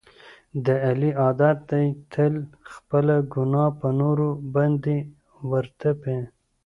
د علي عادت دی تل خپله ګناه په نورو باندې ور تپي.